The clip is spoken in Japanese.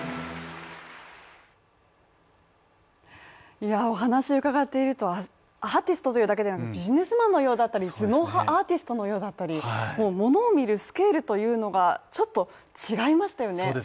いやお話を伺っているとアーティストというだけでなく、ビジネスマンのようだったり頭脳派アーティストのようだったり、もう物を見るスケールというのがちょっと違いましたよね